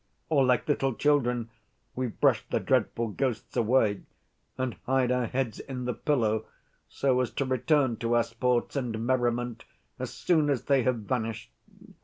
Or, like little children, we brush the dreadful ghosts away and hide our heads in the pillow so as to return to our sports and merriment as soon as they have vanished.